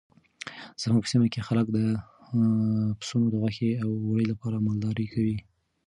زموږ په سیمه کې خلک د پسونو د غوښې او وړۍ لپاره مالداري کوي.